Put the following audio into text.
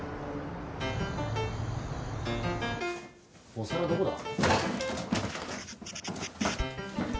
お皿どこだ？